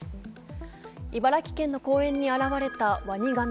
茨城県の公園に現れたワニガメ。